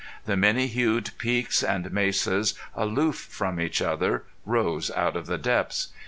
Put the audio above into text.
The many hued peaks and mesas, aloof from each other, rose out of the depths.